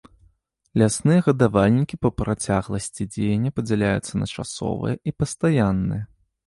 Лясныя гадавальнікі па працягласці дзеяння падзяляюцца на часовыя і пастаянныя.